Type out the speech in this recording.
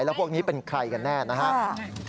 แล้วพวกนี้เป็นใครกันแน่นะครับ